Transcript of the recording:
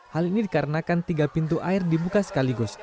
hal ini dikarenakan tiga pintu air dibuka sekaligus